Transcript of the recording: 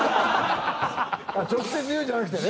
直接言うんじゃなくてね。